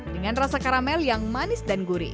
dengan rasa karamel yang manis dan gurih